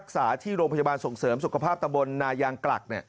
คุณผู้ชมครับสิ่งที่หมอปลาบอก